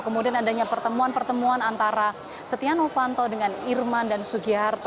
kemudian adanya pertemuan pertemuan antara setia novanto dengan irman dan sugiharto